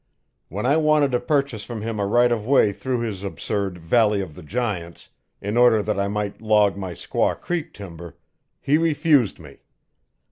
When I wanted to purchase from him a right of way through his absurd Valley of the Giants, in order that I might log my Squaw Creek timber, he refused me.